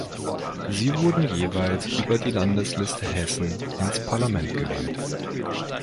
Sie wurde jeweils über die Landesliste Hessen ins Parlament gewählt.